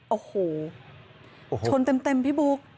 โอ้โหชนเต็มพี่บุ๊ค